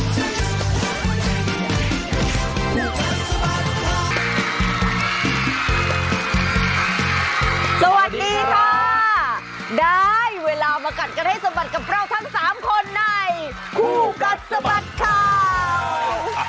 สวัสดีค่ะได้เวลามากัดกันให้สะบัดกับเราทั้ง๓คนในคู่กัดสะบัดข่าว